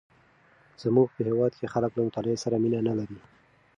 زمونږ په هیواد کې خلک له مطالعې سره مینه نه لري.